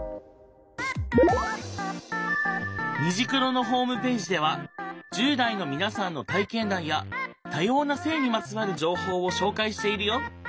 「虹クロ」のホームページでは１０代の皆さんの体験談や多様な性にまつわる情報を紹介しているよ。